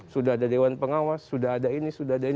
sudah ada dewan pengawas sudah ada ini sudah ada ini